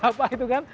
kali bapak itu kan